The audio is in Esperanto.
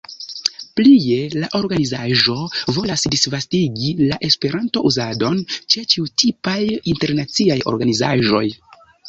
Plie, la organizaĵo volas disvastigi la esperanto-uzadon ĉe ĉiutipaj internaciaj organizaĵoj.